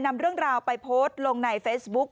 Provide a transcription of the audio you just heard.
นำเรื่องราวไปโพสต์ลงในเฟซบุ๊ก